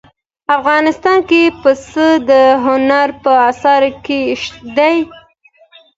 افغانستان کې پسه د هنر په اثار کې دي.